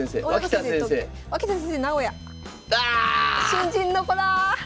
新人の子だ！